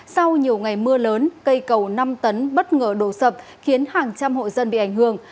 sau nhiều ngày mưa lớn cây cầu năm tấn bất ngờ đổ sập khiến hàng trăm hội dân bị ảnh hưởng